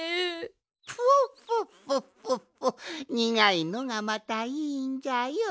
フォッフォッフォッフォッフォッにがいのがまたいいんじゃよ。